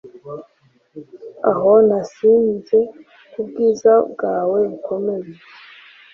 aho nasinze kubwiza bwawe bukomeye